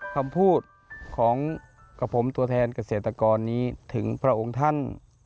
คำพูดของกับผมตัวแทนเกษตรกรนี้ถึงพระองค์ท่าน